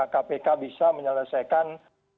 kpk bisa menyelesaikan